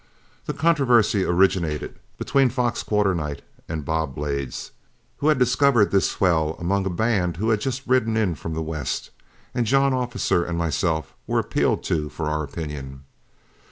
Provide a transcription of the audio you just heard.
The controversy originated between Fox Quarternight and Bob Blades, who had discovered this swell among a band who had just ridden in from the west, and John Officer and myself were appealed to for our opinions.